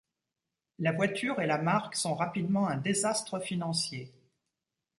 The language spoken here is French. La voiture et la marque sont rapidement un désastre financier.